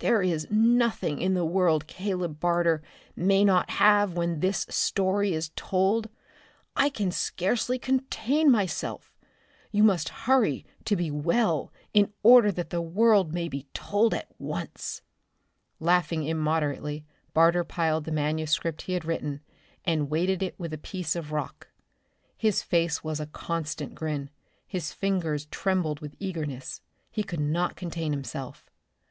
There is nothing in the world Caleb Barter may not have when this story is told! I can scarcely contain myself. You must hurry to be well in order that the world may be told at once." Laughing immoderately, Barter piled the manuscript he had written, and weighted it with a piece of rock. His face was a constant grin. His fingers trembled with eagerness. He could not contain himself.